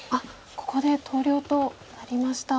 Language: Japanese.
ここで投了となりました。